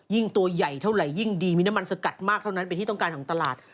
ยิ่งตัวใหญ่เท่าไหร่ยิ่งดีมีน้ำมันสกัดมากเท่านั้นเป็นที่ต้องการของตลาด